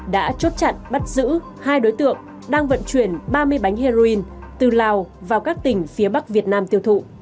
đã chốt chặn bắt giữ hai đối tượng đang vận chuyển ba mươi bánh heroin từ lào vào các tỉnh phía bắc việt nam tiêu thụ